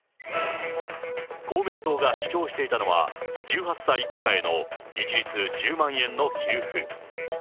公明党が主張していたのは、１８歳以下への一律１０万円の給付。